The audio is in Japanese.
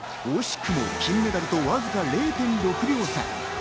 惜しくも金メダルと０．６秒差。